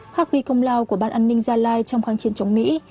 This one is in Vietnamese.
khắc ghi công lao của ban an ninh gia lai trong kháng chiến chống mỹ